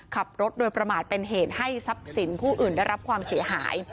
ขับรถโดยประมาทเป็นเหตุให้ทรัพย์สินผู้อื่นได้รับความเสียหาย